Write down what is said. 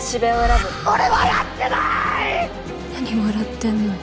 何笑ってんのよ。